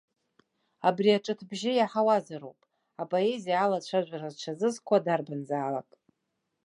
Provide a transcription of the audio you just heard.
Абри аҿыҭбжьы иаҳауазароуп апоезиа алацәажәара зҽазызкуа дарбанзаалак.